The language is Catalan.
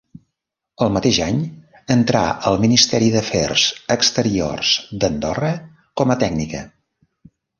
El mateix any entrà al Ministeri d'Afers Exteriors d'Andorra com a tècnica.